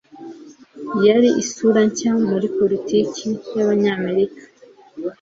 Yari isura nshya muri politiki y'Abanyamerika.